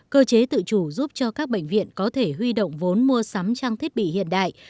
cơ chế tự chủ giúp cho các bệnh viện có thể huy động vốn mua sắm trang thiết bị hiện đại